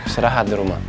serahat di rumah